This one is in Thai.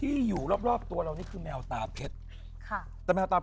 ที่อยู่รอบเรานี่คือแมวตาเพชรนั้นหายยากมาก